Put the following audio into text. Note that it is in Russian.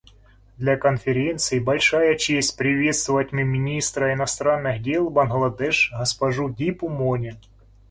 Для Конференции большая честь приветствовать министра иностранных дел Бангладеш госпожу Дипу Мони.